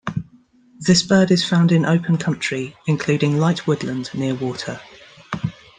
This bird is found in open country, including light woodland, near water.